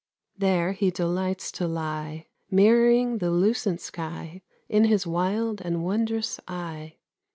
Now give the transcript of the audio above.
There he delights to lie, Mirroring the lucent sky In his wild and wondrous eye.